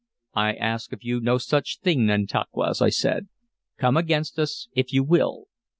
"I ask of you no such thing, Nantauquas," I said. "Come against us, if you will.